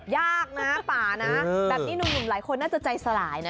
ยากนะป่านะแบบนี้หนุ่มหลายคนน่าจะใจสลายนะ